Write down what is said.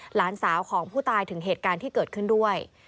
หลานสาวของผู้ตายถึงเหตุการณ์ที่เกิดขึ้นด้วย